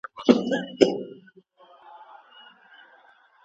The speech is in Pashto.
د جملو جوړول د لیکلو له لاري اسانیږي.